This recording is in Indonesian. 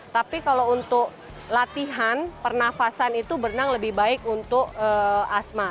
tapi kalau untuk latihan pernafasan itu berenang lebih baik untuk asma